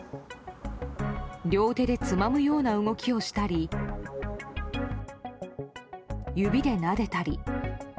両手でつまむような動きをしたり指でなでたり。